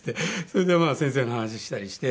それで先生の話したりして。